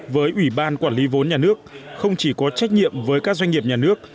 với ủy ban quản lý vốn nhà nước không chỉ có trách nhiệm với các doanh nghiệp nhà nước